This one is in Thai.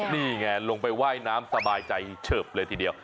นี่ไงลงไปว่ายน้ำสบายใจเฉิบเลยทีเดียว